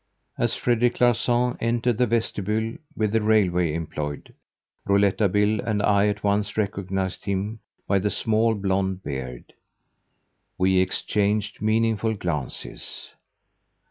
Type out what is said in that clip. As Frederic Larsan entered the vestibule with the railway employeee, Rouletabille and I at once recognised him by the small blond beard. We exchanged meaningful glances.